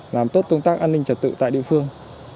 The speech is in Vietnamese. làm tốt công tác an ninh trật tự tại địa phương